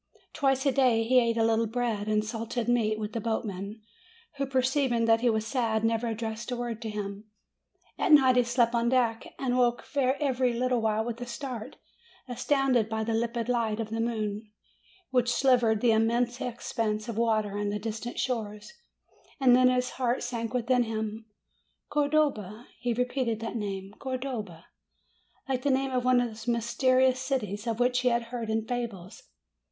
Twice a day he ate a little bread and salted meat with the boatmen, who, perceiving that he was sad, never addressed a word to him. At night he slept on deck and woke every little while with a start, astounded by the limpid light of the moon, which silvered the immense expanse 'of water and the distant shores; and then his heart sank within him. "Cor dova!" He repeated that name, "Cordova!" like the name of one of those mysterious cities of which he had heard in fables.